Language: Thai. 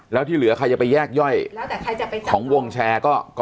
แล้วที่เหลือใครจะไปแยกย่อยแล้วแต่ใครจะไปขอของวงแชร์ก็